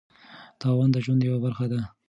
تاوان د ژوند یوه برخه ده.